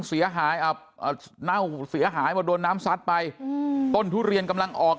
เสียหายเน่าเสียหายหมดโดนน้ำซัดไปต้นทุเรียนกำลังออก